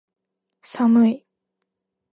寒い